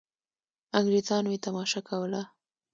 انګرېزانو یې تماشه کوله.